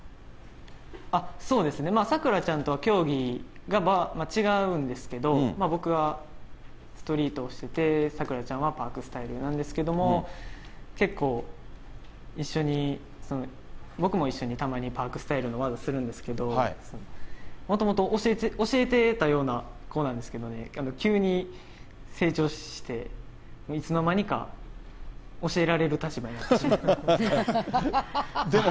そうですね、さくらちゃんとは競技が違うんですけど、僕はストリートをしてて、さくらちゃんはパークスタイルなんですけど、結構、一緒に、僕も一緒にたまにパークスタイルの技やるんですけれども、もともと教えてたような子なんですけどね、急に成長して、いつの間にか、教えられる立場になってしまいました。